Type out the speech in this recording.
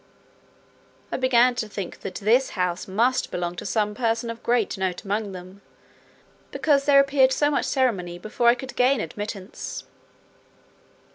I began to think that this house must belong to some person of great note among them, because there appeared so much ceremony before I could gain admittance.